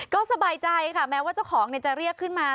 ก็สบายใจค่ะแม้ว่าเจ้าของจะเรียกขึ้นมา